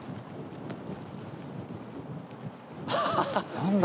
何だ？